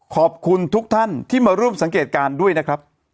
ขอบคุณทุกท่านที่มาร่วมสังเกตการณ์ด้วยนะครับ